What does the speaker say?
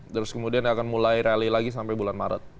terus kemudian akan mulai rally lagi sampai bulan maret